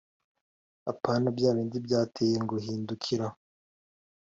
Apana byabindi byateye ngo hindukira